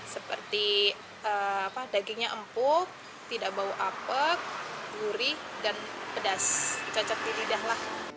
seperti dagingnya empuk tidak bau apek gurih dan pedas cocok di lidah lah